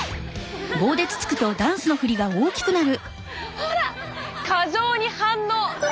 ほら過剰に反応！